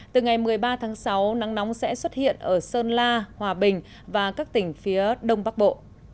từ ngày một mươi ba tháng sáu nắng nóng sẽ xuất hiện ở sơn la hòa bình và các tỉnh phía đông bắc bộ